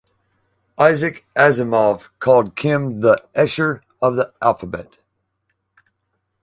Isaac Asimov called Kim "the Escher of the alphabet".